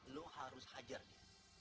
lo harus hajar dia